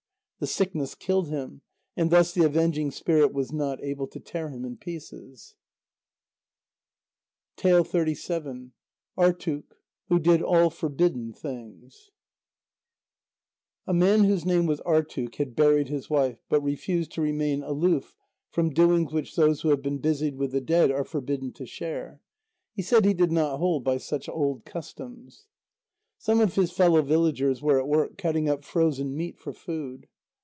The sickness killed him, and thus the avenging spirit was not able to tear him in pieces. ARTUK, WHO DID ALL FORBIDDEN THINGS A man whose name was Artuk had buried his wife, but refused to remain aloof from doings which those who have been busied with the dead are forbidden to share. He said he did not hold by such old customs. Some of his fellow villagers were at work cutting up frozen meat for food.